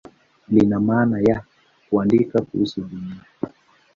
Lina maana ya "kuandika kuhusu Dunia".